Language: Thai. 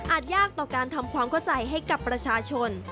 ยากต่อการทำความเข้าใจให้กับประชาชน